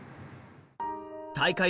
大会